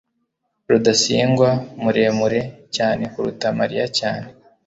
rudasingwa muremure cyane kuruta mariya cyane